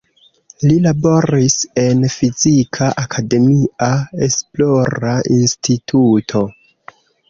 Li laboris en fizika akademia esplora instituto.